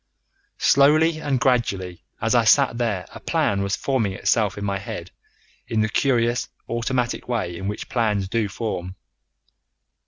Slowly and gradually as I sat there a plan was forming itself in my head in the curious automatic way in which plans do form.